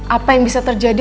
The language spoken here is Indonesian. apa yang bisa terjadi